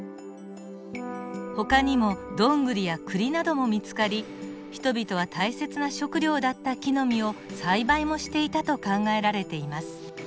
ほかにもドングリやクリなども見つかり人々は大切な食糧だった木の実を栽培もしていたと考えられています。